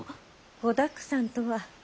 子だくさんとは。